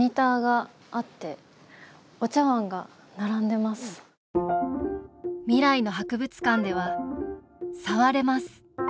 でも「未来の博物館」では触れます！